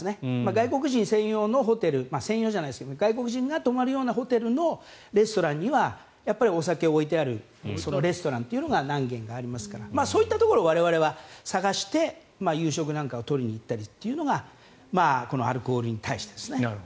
外国人専用のホテル専用じゃないですけど外国人が泊まるようなホテルのレストランにはお酒が置いてあるレストランというのが何軒かありますからそういったところを我々は探して夕食なんかを取りに行ったりというのがこのアルコールに対してですね。